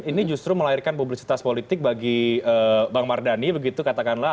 ini justru melahirkan publisitas politik bagi bang mardhani begitu katakanlah